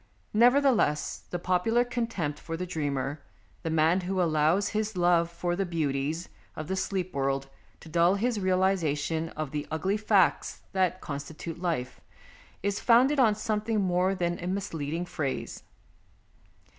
Neverthe less, the popular contempt for the dreamer, the man who allows his love for the beauties of the sleep world to dull his realization of the ugly facts that constitute life, is founded on something more than a misleading phrase.